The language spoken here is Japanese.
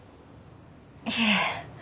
いえ。